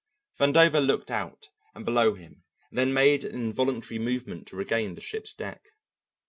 Vandover looked out and below him and then made an involuntary movement to regain the ship's deck.